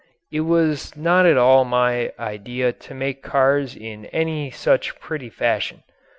It was not at all my idea to make cars in any such petty fashion.